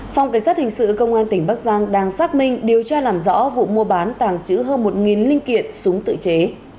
phòng cảnh sát hình sự công an tỉnh bắc giang đang xác minh điều tra làm rõ vụ mua bán tàng trữ hơn một linh kiện súng tự chế